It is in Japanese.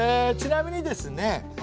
ちなみにですね